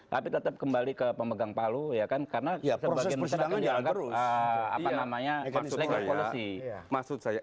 tapi tetap kembali ke pemegang palu ya kan karena proses persidangan jalan terus apa namanya